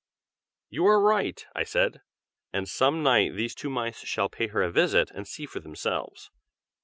"You are right!" I said, "and some night these two mice shall pay her a visit, and see for themselves.